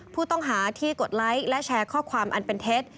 ผู้ต้องหาที่กดไลค์และแชร์ข้อความอันเป็นเท็จ